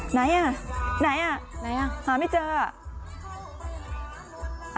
ไหนอ่ะหาไม่เจออ่ะ